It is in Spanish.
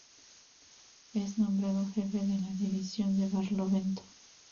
Es nombrado Jefe de la División de Barlovento.